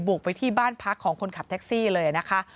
กไปที่บ้านพักของคนขับแท็กซี่เลยนะคะ